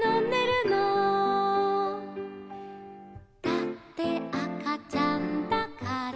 「だってあかちゃんだから」